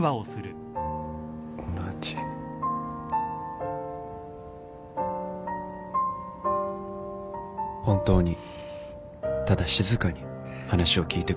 本当にただ静かに話を聞いてくれた